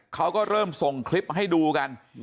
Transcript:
เขาก็เริ่มส่งคลิปให้ดูกัน